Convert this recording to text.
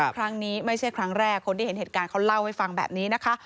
ครั้งนี้ไม่ใช่ครั้งแรกคนที่เห็นเหตุการณ์เขาเล่าให้ฟังแบบนี้นะคะ